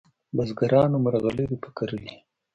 بزګرانو مرغلري په کرلې